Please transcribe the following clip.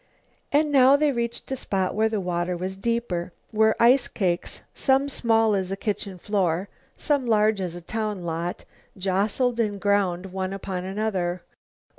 And now they reached a spot where the water was deeper, where ice cakes, some small as a kitchen floor, some large as a town lot, jostled and ground one upon another.